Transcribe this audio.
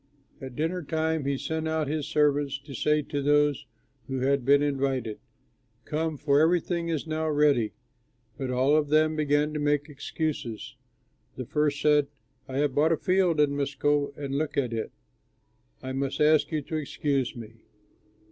At dinner time he sent out his servant to say to those who had been invited, 'Come, for everything is now ready.' But all of them began to make excuses. The first said, 'I have bought a field and must go and look at it. I must ask you to excuse me.'